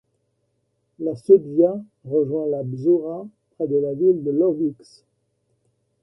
La Słudwia rejoint la Bzoura près de la ville de Łowicz.